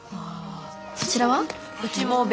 そちらは？